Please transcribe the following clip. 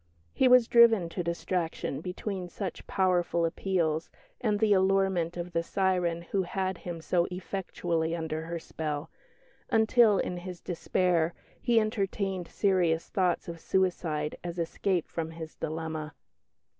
He was driven to distraction between such powerful appeals and the allurement of the siren who had him so effectually under her spell, until in his despair he entertained serious thoughts of suicide as escape from his dilemma.